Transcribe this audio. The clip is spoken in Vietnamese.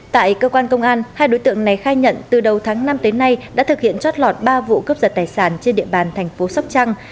tại cơ quan công an hai đối tượng này khai nhận từ đầu tháng năm tới nay đã thực hiện trót lọt ba vụ cấp giật tài sản trên địa bàn thành phố sóc trăng